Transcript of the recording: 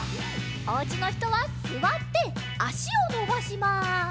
おうちのひとはすわってあしをのばします。